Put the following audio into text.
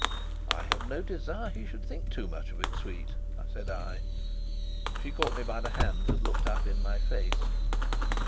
"I have no desire he should think too much of it, sweet," said I. She caught me by the hands, and looked up in my face.